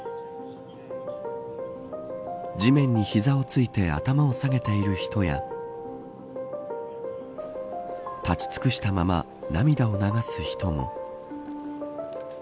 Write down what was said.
地面にひざをついて頭を下げている人や立ち尽くしたまま涙を流す人も。